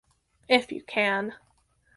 If you can.